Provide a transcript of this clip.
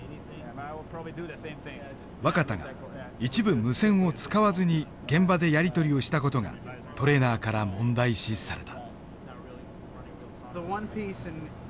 若田が一部無線を使わずに現場でやり取りをした事がトレーナーから問題視された。